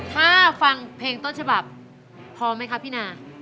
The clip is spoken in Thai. ถ้าฟังเพลงต้นฉบับพอไหมคะพี่นา